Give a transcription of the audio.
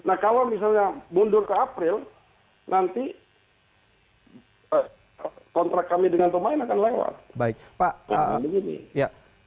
nah kalau misalnya mundur ke april nanti kontrak kami dengan pemain akan lewat